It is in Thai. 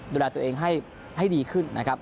ดูแลตัวเองให้ดีขึ้นนะครับ